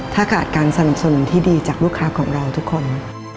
ถ้าขาดการสนับสนุนที่ดีจากลูกค้าของเราทุกคน